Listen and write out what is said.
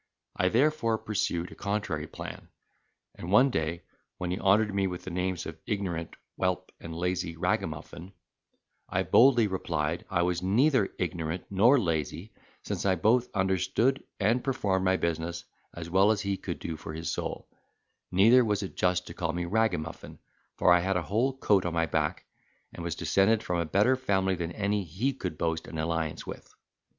I therefore pursued a contrary plan; and one day, when he honoured me with the names of ignorant whelp and lazy ragamuffin, I boldly replied, I was neither ignorant nor lazy, since I both understood and performed my business as well as he could do for his soul; neither was it just to call me ragamuffin, for I had a whole coat on my back, and was descended from a better family than any he could boast an alliance with.